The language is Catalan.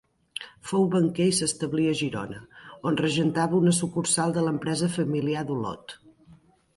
Fou banquer i s'establí a Girona, on regentava una sucursal de l'empresa familiar d'Olot.